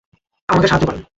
আমাকে সাহায্য করেন।